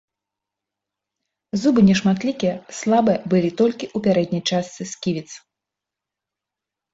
Зубы нешматлікія, слабыя, былі толькі ў пярэдняй частцы сківіц.